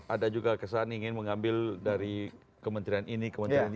ada juga kesan ingin mengambil dari kementerian ini kementerian ini